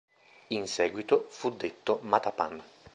In seguito fu detto Matapan.